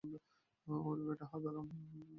ওরে বেটা হাঁদারাম।